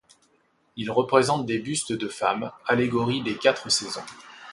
Ils représentent des bustes de femmes, allégories des quatre saisons.